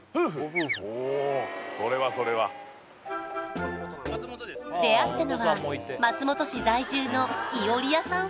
おそれはそれは出会ったのは松本市在住の庵谷さん